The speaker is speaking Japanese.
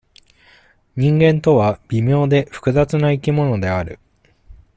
人間とは、微妙で、複雑な生き物である。